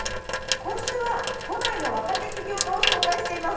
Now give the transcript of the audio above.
今週は都内の若手企業家を紹介しています。